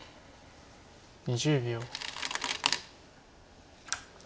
２０秒。